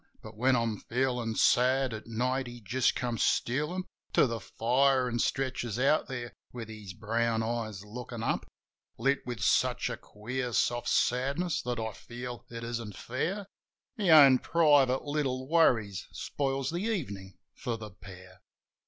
But when I'm feelin' sad at night, he just comes stealin' To the fire an' stretches out there with his brown eyes lookin' up, Lit with such a queer soft sadness that I feel it isn't fair My own private little worries spoils the evenin' for the pair.